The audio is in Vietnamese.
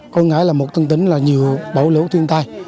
quảng ngãi là một tân tính là nhiều bão lũ thiên tai